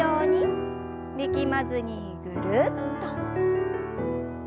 力まずにぐるっと。